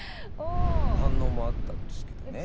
反応もあったんですけどね。